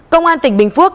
công an tỉnh bình phước